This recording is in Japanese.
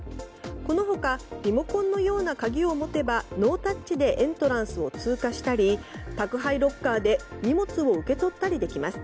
このほかリモコンのような鍵を持てばノータッチでエントランスを通過したり宅配ロッカーで荷物を受け取ったりできます。